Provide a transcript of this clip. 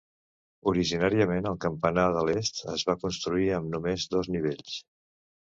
Originàriament, el campanar de l'est es va construir amb només dos nivells.